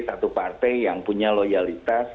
satu partai yang punya loyalitas